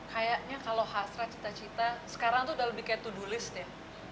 kayaknya kalau hasrat cita cita sekarang tuh udah lebih kayak to do list deh